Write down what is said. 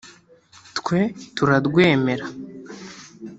Twe turarwemera